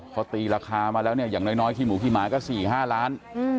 พอตีราคามาแล้วเนี่ยอย่างน้อยขี้หมูขี้หมาก็๔๕ล้าน